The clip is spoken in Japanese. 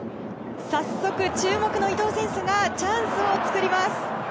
早速注目の伊東選手がチャンスを作ります。